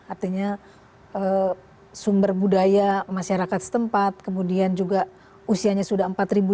artinya sumber budaya masyarakat setempat kemudian juga usianya sudah empat lima ratus